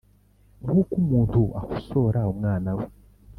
nk’uko umuntu akosora umwana we. “